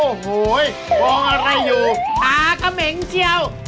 โอ้โหมองอะไรอยู่ตากระเหม็งเจียว